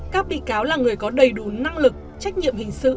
các bị cáo là người có đầy đủ năng lực trách nhiệm hình sự